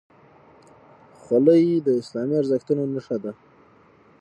خولۍ د اسلامي ارزښتونو نښه ده.